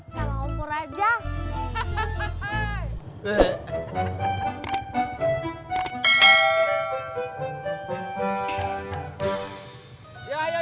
sama om purwamitisnya aja